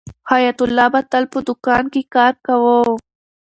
حیات الله به تل په دوکان کې کار کاوه.